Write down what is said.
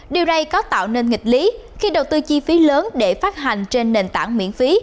điều này có tạo nên nghịch lý khi đầu tư chi phí lớn để phát hành trên nền tảng miễn phí